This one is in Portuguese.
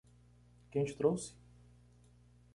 Quem te trouxe?